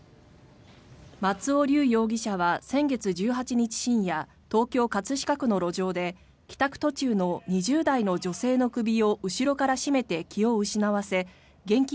松尾龍容疑者は先月１８日深夜東京・葛飾区の路上で帰宅途中の２０代の女性の首を後ろから絞めて気を失わせ現金